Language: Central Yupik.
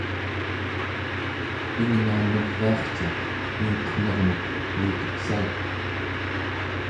ingna neviarcaq mingqenermek eliteksaituq